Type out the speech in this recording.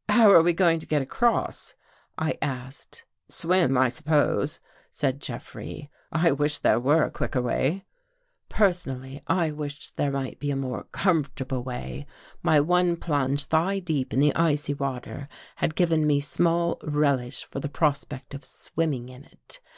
" How are we going to get across? " I asked. " Swim, I suppose," said Jeffrey. " I wish there were a quicker way." Personally I wished there might be a more com fortable way. My one plunge, thigh deep, in the icy water had given me small relish for the prospect of swimming in it.